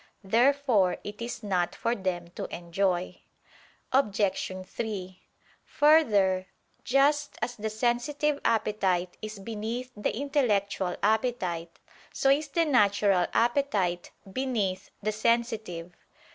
Therefore it is not for them to enjoy. Obj. 3: Further, just as the sensitive appetite is beneath the intellectual appetite, so is the natural appetite beneath the sensitive.